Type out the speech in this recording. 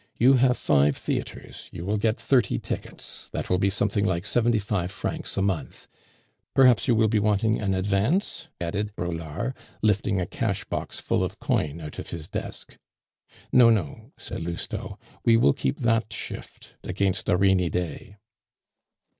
You have five theatres; you will get thirty tickets that will be something like seventy five francs a month. Perhaps you will be wanting an advance?" added Braulard, lifting a cash box full of coin out of his desk. "No, no," said Lousteau; "we will keep that shift against a rainy day."